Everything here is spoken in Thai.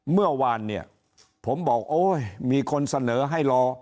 เมื่อวานเนี่ยผมบอกโอ้ยมีคนเสนอให้รอ